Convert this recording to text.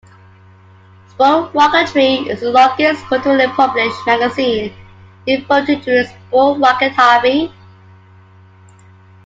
"Sport Rocketry" is the longest continually published magazine devoted to the sport rocket hobby.